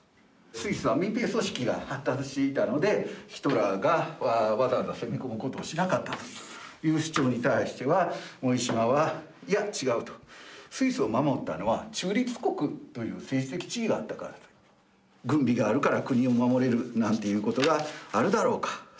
スイスは民兵組織が発達していたのでヒトラーがわざわざ攻め込むことをしなかったという主張に対しては森嶋は「いや違う」とスイスを守ったのは中立国という政治的地位があったから。軍備があるから国を守れるなんていうことがあるだろうか。